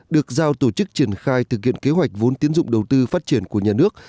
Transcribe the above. được giao tổ chức triển khai thực hiện kế hoạch vốn tiến dụng đầu tư phát triển của nhà nước